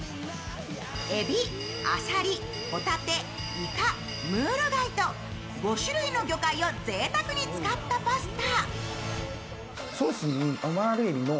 えび、あさり、ほたて、いかムール貝と５種類の魚介をぜいたくに使ったパスタ。